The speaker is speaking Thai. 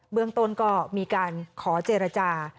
เมืองต้นก็มีการขอเจรจา